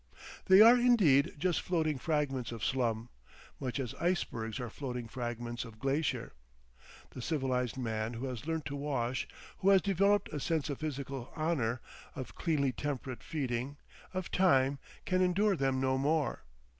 They are indeed just floating fragments of slum, much as icebergs are floating fragments of glacier. The civilised man who has learnt to wash, who has developed a sense of physical honour, of cleanly temperate feeding, of time, can endure them no more.